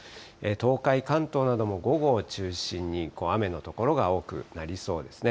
東海、関東なども午後を中心に雨の所が多くなりそうですね。